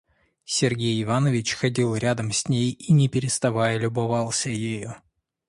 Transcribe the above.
Сергей Иванович ходил рядом с ней и не переставая любовался ею.